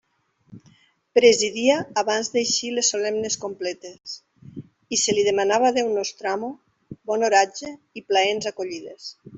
Presidia abans d'eixir les solemnes completes, i se li demanava a Déu Nostramo bon oratge i plaents acollides.